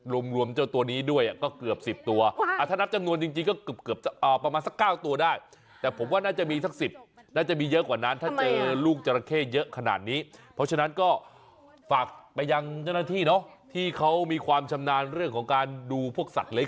เรื่องของการดูพวกสัตว์เล้ยครานแบบเนี้ยโดยเฉพาะจาระเข้ดูหน่อย